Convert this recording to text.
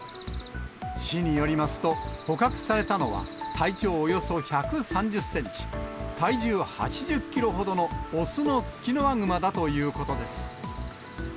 市によりますと、捕獲されたのは、体長およそ１３０センチ、体重８０キロほどの雄のツキノワグマだということです。